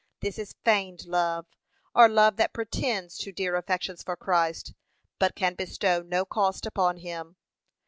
This is feigned love, or love that pretends to dear affections for Christ, but can bestow no cost upon him.